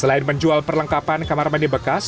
selain menjual perlengkapan kamar mandi bekas